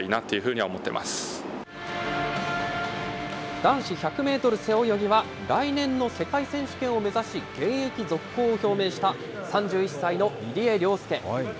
男子１００メートル背泳ぎは、来年の世界選手権を目指し、現役続行を表明した３１歳の入江陵介。